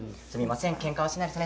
けんかはしないですね